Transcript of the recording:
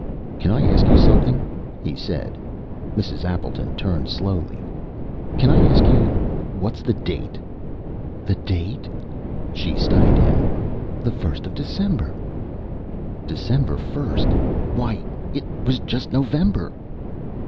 "Can I ask you something?" he said. Mrs. Appleton turned slowly. "Can I ask you what's the date?" "The date?" She studied him. "The first of December." "December first! Why, it was just November!"